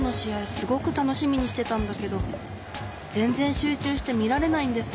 すごくたのしみにしてたんだけどぜんぜんしゅうちゅうしてみられないんです。